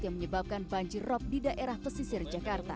yang menyebabkan banjir rop di daerah pesisir jakarta